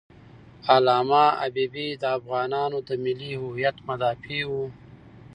علامه حبیبي د افغانانو د ملي هویت مدافع و.